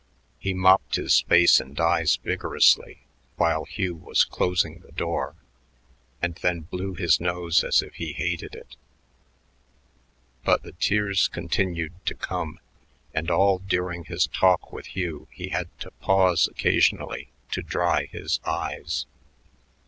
He mopped his face and eyes vigorously while Hugh was closing the door, and then blew his nose as if he hated it. But the tears continued to come, and all during his talk with Hugh he had to pause occasionally to dry his eyes.